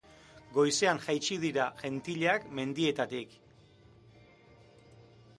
Goizean jaitsi dira jentilak mendietatik.